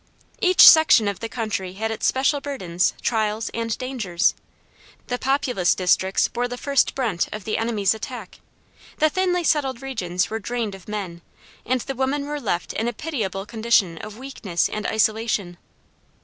Each section of the country had its special burdens, trials, and dangers. The populous districts bore the first brunt of the enemy's attack; the thinly settled regions were drained of men, and the women were left in a pitiable condition of weakness and isolation.